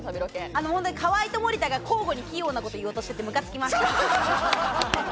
河合と森田が交互に器用なことを言おうとしているのがムカつきました。